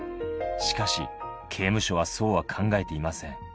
しかし、刑務所はそうは考えていません。